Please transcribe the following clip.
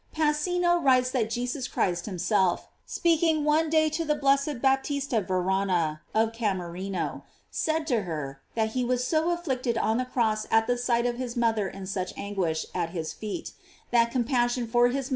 § Passino writes that Jesus Christ himself, speak ing one day to the blessed Baptista Varana, of Camerino, said to her, that he was so afflicted on the cross at the sight of his mother in such an guish at his feet, that compassion for his mother * Rev. 1.